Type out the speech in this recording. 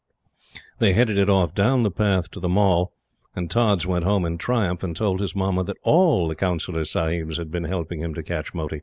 They headed it off down the path to the Mall, and Tods went home in triumph and told his Mamma that ALL the Councillor Sahibs had been helping him to catch Moti.